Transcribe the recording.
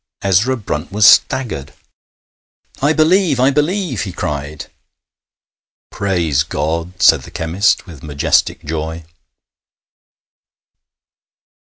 Ezra Brunt was staggered. 'I believe! I believe!' he cried. 'Praise God!' said the chemist, with majestic joy.